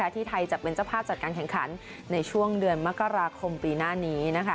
ที่ไทยจะเป็นเจ้าภาพจัดการแข่งขันในช่วงเดือนมกราคมปีหน้านี้